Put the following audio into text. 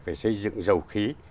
về xây dựng dầu khí